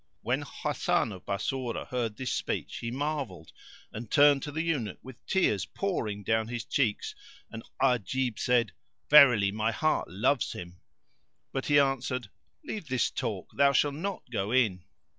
When Hasan of Bassorah heard his speech he marvelled and turned to the Eunuch with the tears pouring down his cheeks; and Ajib said, "Verily my heart loves him!" But he answered, "Leave this talk, thou shalt not go in."